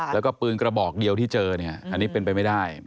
แล้วก็ปืนกระบอกเดียวที่เจอเนี่ยอันนี้เป็นไปไม่ได้